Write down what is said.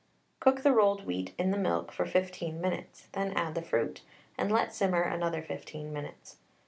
Cook the rolled wheat in the milk for fifteen minutes, then add the fruit, and let simmer another 15 minutes.